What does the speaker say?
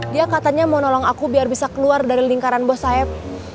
dia katanya mau nolong aku biar bisa keluar dari lingkaran bos sayap